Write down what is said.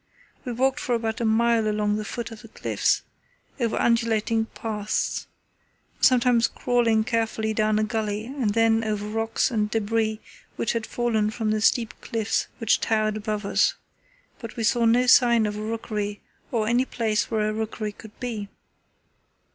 We walked for about a mile along the foot of the cliffs, over undulating paths, sometimes crawling carefully down a gully and then over rocks and debris which had fallen from the steep cliffs which towered above us, but we saw no signs of a rookery or any place where a rookery could be.